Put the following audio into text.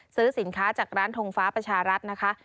ซื้อสินค้าจากร้านทงฟ้าประชารัฐนะคะ